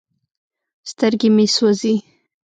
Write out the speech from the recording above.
سترګې مې سوزي ـ